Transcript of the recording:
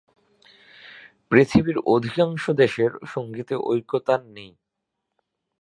পৃথিবীর অধিকাংশ দেশের সঙ্গীতে ঐকতান নেই।